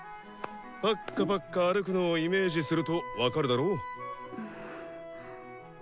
パッカパッカ歩くのをイメージすると分かるだろ？